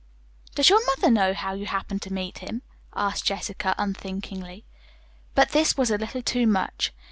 "Does your mother know how you happened to meet him?" asked Jessica unthinkingly. But this was a little too much.